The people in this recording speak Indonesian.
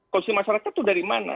konsumsi masyarakat itu dari mana